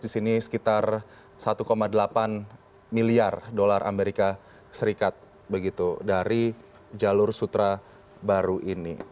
di sini sekitar satu delapan miliar dolar amerika serikat begitu dari jalur sutra baru ini